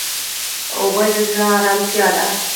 اوبه د زړه ارامتیا ده.